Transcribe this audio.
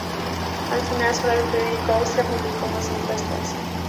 Al final, solo el periódico Austria publicó más encuestas.